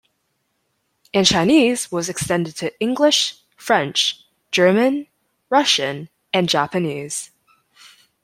And Chinese was extended to English, French, German, Russian, and Japanese.